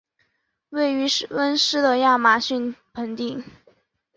位处湿热的亚马逊盆地。